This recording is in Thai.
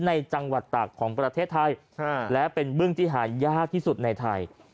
ในจังหวัดตากของประเทศไทยและเป็นบึ้งที่หายากที่สุดในไทย